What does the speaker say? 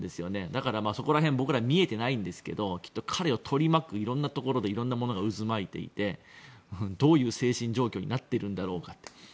だから、そこら辺僕らは見えていないんですがきっと彼を取り巻く色んなところで色んなものが渦巻いていてどういう精神状況になっているんだろうか